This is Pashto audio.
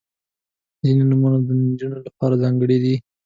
• ځینې نومونه د نجونو لپاره ځانګړي دي.